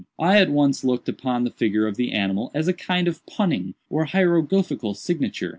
I at once looked upon the figure of the animal as a kind of punning or hieroglyphical signature.